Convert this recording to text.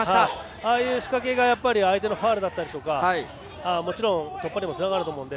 ああいう仕掛けが相手のファウルだったりもちろん、突破にもつながると思うので。